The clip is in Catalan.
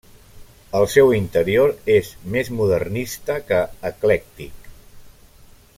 El seu interior és més modernista que eclèctic.